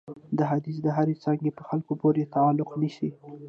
دا حدیث د هرې څانګې په خلکو پورې تعلق نیسي.